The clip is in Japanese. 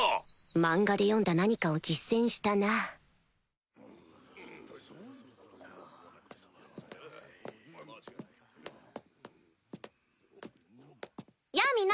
漫画で読んだ何かを実践したなやぁみんな！